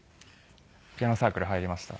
ピアノサークル入りました。